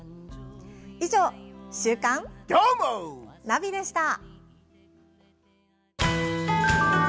以上、週刊ナビでした！